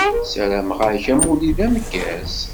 Sarameɣ-ak amulli d ameggaz.